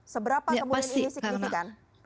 seberapa kemudian ini signifikan